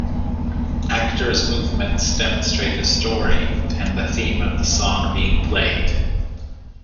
Actors movements demonstrate a story and the theme of the song being played.